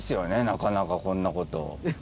なかなかこんなこと。